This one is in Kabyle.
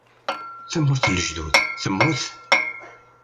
Tamurt n lejdud temmut?